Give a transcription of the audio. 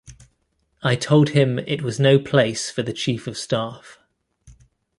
I told him it was no place for the Chief of Staff.